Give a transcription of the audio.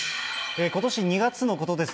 ことし２月のことです。